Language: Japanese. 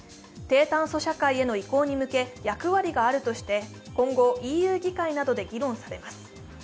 低炭素社会への移行に向け、役割があるとして今後、ＥＵ議会などで議論されます。